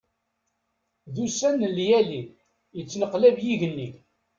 D ussan n lyali, yettneqlab yigenni.